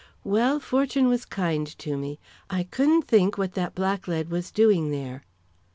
"Well, fortune was kind to me. I couldn't think what that blacklead was doing there."